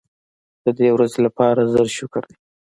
د دې ورځې لپاره زر شکر دی.